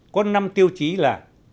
có năm tiêu chí là